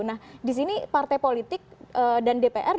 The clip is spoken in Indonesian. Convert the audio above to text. nah di sini partai politik dan dpr